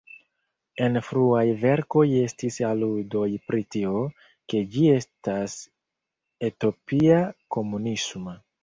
En fruaj verkoj estis aludoj pri tio, ke ĝi estas utopia-komunisma.